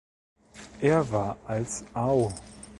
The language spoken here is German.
Er war als Ao.